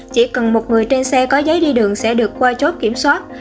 chỉ cần một người trên xe có giấy đi đường sẽ được qua chốt kiểm soát